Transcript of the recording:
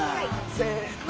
せの！